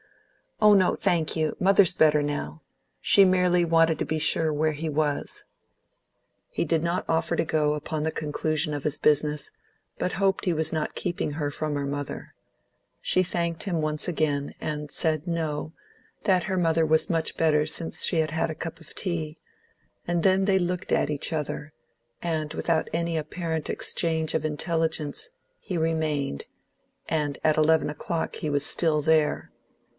"Oh no, thank you; mother's better now. She merely wanted to be sure where he was." He did not offer to go, upon this conclusion of his business, but hoped he was not keeping her from her mother. She thanked him once again, and said no, that her mother was much better since she had had a cup of tea; and then they looked at each other, and without any apparent exchange of intelligence he remained, and at eleven o'clock he was still there.